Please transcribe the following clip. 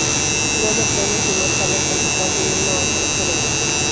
Leonor Teles, y más tarde el Condestable Nuno Álvares Pereira.